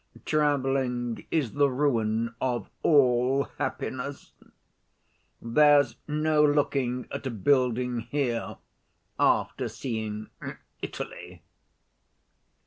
Traveling is the ruin of all happiness! There's no looking at a building here after seeing Italy."